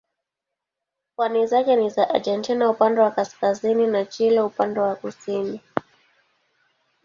Pwani zake ni za Argentina upande wa kaskazini na Chile upande wa kusini.